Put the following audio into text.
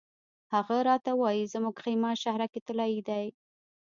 هغه راته وایي زموږ خیمه شهرک طلایي دی.